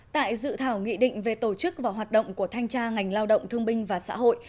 tại dự thảo nghị định về tổ chức và hoạt động của thanh tra ngành lao động thương binh và xã hội